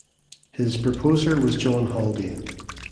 His proposer was John Haldane.